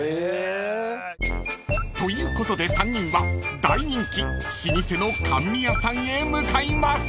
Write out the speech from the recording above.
［ということで３人は大人気老舗の甘味屋さんへ向かいます］